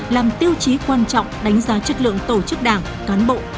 làm tiêu chí quan trọng đánh giá chất lượng tổ chức đảng cán bộ đảng viên